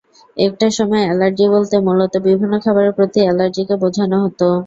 একটা সময় অ্যালার্জি বলতে মূলত বিভিন্ন খাবারের প্রতি অ্যালার্জিকে বোঝানো হতো।